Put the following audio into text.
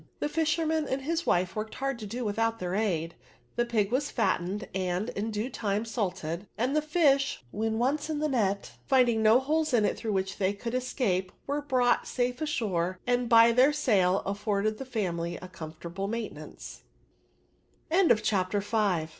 The fisherman and his wife worked hard to do without their aid : the pig was fattened, and, in due time, salted ; and the fish, when once in the net, finding no holes in it through which they t;ould escape, were brought safe ashore, and by their sale afforded the family a comfortable mai